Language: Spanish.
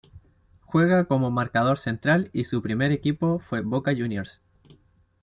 Juega como marcador central y su primer equipo fue Boca Juniors.